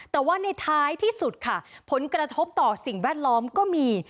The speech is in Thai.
แต่ว่าในท้ายที่สุดค่ะผลกระทบต่อสิ่งแวดล้อมก็มี